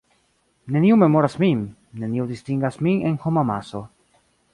Neniu memoras min, neniu distingas min en homamaso.